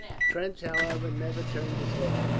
Trench, however, never turned his head.